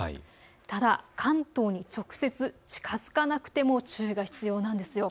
ただ、関東に直接近づかなくても注意が必要なんです。